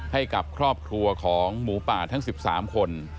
ให้กับครอบครัวของหมูป่าทั้ง๑๓คน